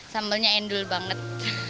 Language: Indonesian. sambalnya endul banget